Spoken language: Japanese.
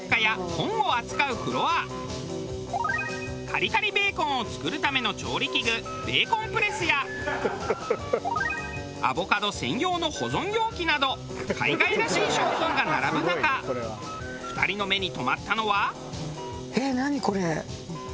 カリカリベーコンを作るための調理器具ベーコンプレスやアボカド専用の保存容器など海外らしい商品が並ぶ中２人の目に留まったのは。